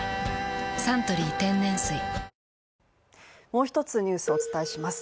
もう一つニュースをお伝えします。